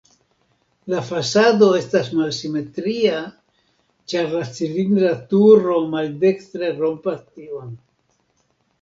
La fasado estas malsimetria, ĉar la cilindra turo maldekstre rompas tion.